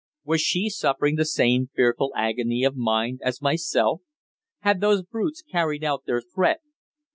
Was she suffering the same fearful agony of mind as myself? Had those brutes carried out their threat?